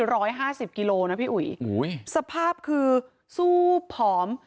ร้อยห้าสิบกิโลนะพี่อุ๋ยอุ้ยสภาพคือสู้ผอม